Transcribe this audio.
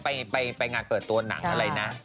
ไปงานเปิดตัวหนังอะไรนะ